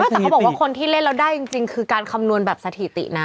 แต่เขาบอกว่าคนที่เล่นแล้วได้จริงคือการคำนวณแบบสถิตินะ